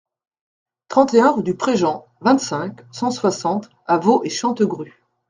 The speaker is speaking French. trente et un rue du Pré Jean, vingt-cinq, cent soixante à Vaux-et-Chantegrue